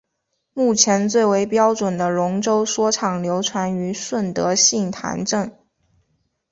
目前最为标准的龙舟说唱流传于顺德杏坛镇。